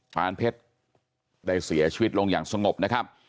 ปานเพชรได้เสียชีวิตลงอย่างสงบนะครับ